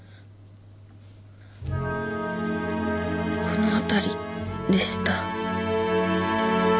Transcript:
この辺りでした。